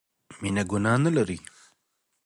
مينه ګناه نه لري